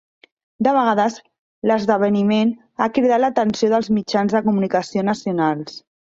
De vegades, l'esdeveniment ha cridat l'atenció dels mitjans de comunicació nacionals.